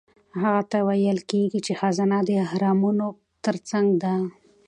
هغه ته ویل کیږي چې خزانه د اهرامونو ترڅنګ ده.